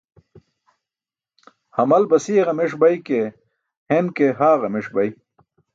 Hamal basiye ġameṣ bay ke, hen ki haa ġameṣ bay.